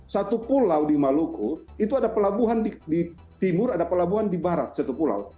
satu pulau di maluku itu ada pelabuhan di timur ada pelabuhan di barat satu pulau